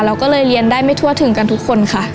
เราก็เลยเรียนได้ไม่ทั่วถึงกันทุกคนค่ะ